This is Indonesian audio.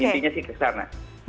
intinya sih ke sana